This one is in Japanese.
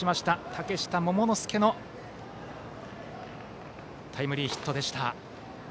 嶽下桃之介のタイムリーヒットでした。